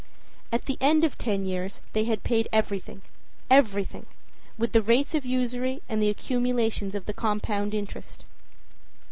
At the end of ten years they had paid everything, everything, with the rates of usury and the accumulations of the compound interest.